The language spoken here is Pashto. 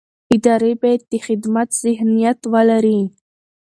ادارې باید د خدمت ذهنیت ولري